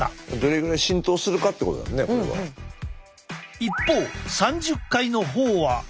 一方３０回の方は。